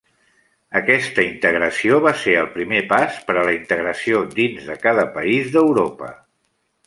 Aquesta integració va ser el primer pas per a la integració dins de cada país d'Europa.